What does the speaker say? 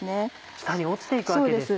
下に落ちていくわけですね。